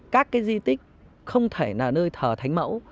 các cái di tích không thể là nơi thở thánh mẫu